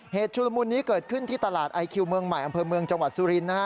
ชุลมุนนี้เกิดขึ้นที่ตลาดไอคิวเมืองใหม่อำเภอเมืองจังหวัดสุรินนะฮะ